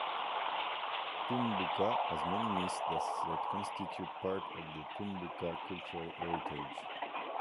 Tumbuka has many myths that constitute part of the Tumbuka cultural heritage.